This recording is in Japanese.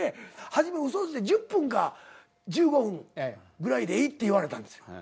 初め「１０分か１５分ぐらいでいい」って言われたんですよ。